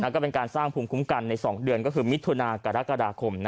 ก็เป็นการสร้างภูมิคุ้มกันใน๒เดือนก็คือมิถุนากรกฎาคม